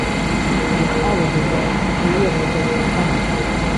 ئهرێ خاڵۆی رێبوار، ئهی وهی رێگام کوێستانه